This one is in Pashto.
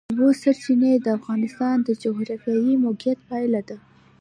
د اوبو سرچینې د افغانستان د جغرافیایي موقیعت پایله ده.